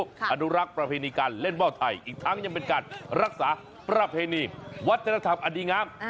อนุรักษ์ประเพณีการเล่นว่าวไทยอีกทั้งยังเป็นการรักษาประเพณีวัฒนธรรมอดีงาม